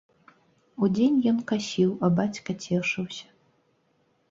Удзень ён касіў, а бацька цешыўся.